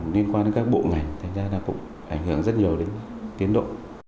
liên quan đến các bộ ngành thành ra là cũng ảnh hưởng rất nhiều đến tiến độ